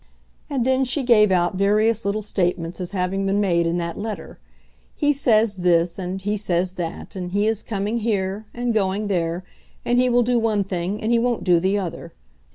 And then she gave out various little statements as having been made in that letter. He says this, and he says that, and he is coming here, and going there, and he will do one thing, and he won't do the other.